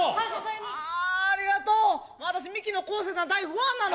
あありがとう、私、ミキの昴生さん、大ファンなの。